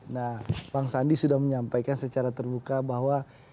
nah bang sandi sudah menyampaikan secara terbuka bahwa